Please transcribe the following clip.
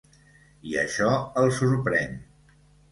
I això el sorprèn.